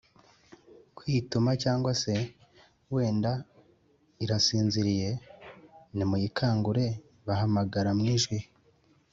Kwituma cyangwa se wenda irasinziriye nimuyikangure bahamagara mu ijwi